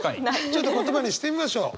ちょっと言葉にしてみましょう。